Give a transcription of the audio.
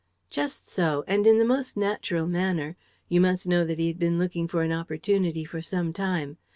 "Just so; and in the most natural manner. You must know that he had been looking for an opportunity for some time.